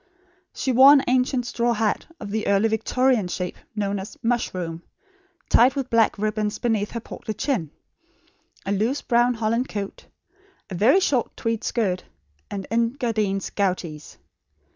She wore an ancient straw hat, of the early Victorian shape known as "mushroom," tied with black ribbons beneath her portly chin; a loose brown holland coat; a very short tweed skirt, and Engadine "gouties."